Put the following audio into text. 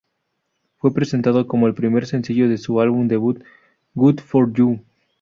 Fue presentado como el primer sencillo de su álbum debut "Good for You".